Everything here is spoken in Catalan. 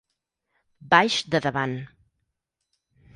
Baix de davant.